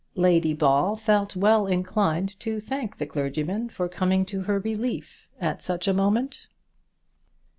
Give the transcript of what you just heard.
Lady Ball felt well inclined to thank the clergyman for coming to her relief at such a moment.